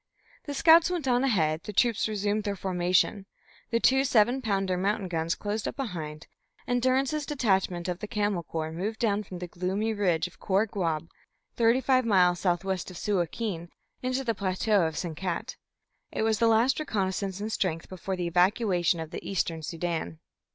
The scouts went on ahead, the troops resumed their formation, the two seven pounder mountain guns closed up behind, and Durrance's detachment of the Camel Corps moved down from the gloomy ridge of Khor Gwob, thirty five miles southwest of Suakin, into the plateau of Sinkat. It was the last reconnaissance in strength before the evacuation of the eastern Soudan.